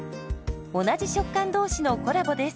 同じ食感同士のコラボです。